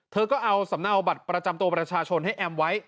เธอก็เอาสำเนาบัตรประจำตัวประชาชนให้แอมไว้